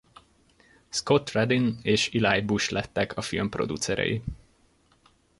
Scott Rudin és Eli Bush lettek a film producerei.